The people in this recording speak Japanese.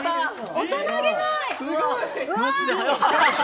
大人気ない！